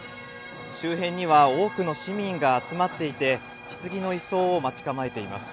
周辺には多くの市民が集まっていて、ひつぎの移送を待ち構えています。